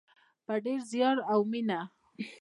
په ډیر زیار او مینه.